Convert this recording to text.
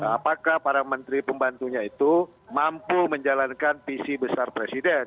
apakah para menteri pembantunya itu mampu menjalankan visi besar presiden